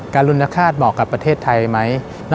รุนคาตเหมาะกับประเทศไทยไหม